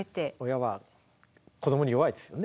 親は子どもに弱いですよね。